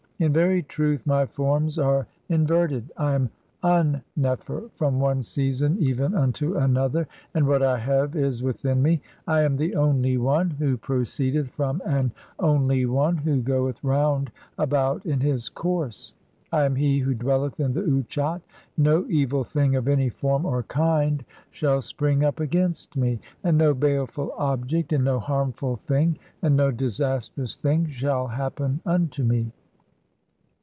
In very truth, my forms are in serted. I am Un nefer, from one season even unto another, "and what I have is within me ; [I am] (17) the only One, who "proceedeth from an only One who goeth round about in his "course. I am he who dwelleth in the Utchat, no evil thing of any "form or kind shall spring up against me, and no baleful object, "and no harmful thing, and no disastrous thing shall happen unto "(18) me.